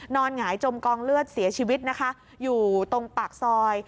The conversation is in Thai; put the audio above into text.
หงายจมกองเลือดเสียชีวิตนะคะอยู่ตรงปากซอย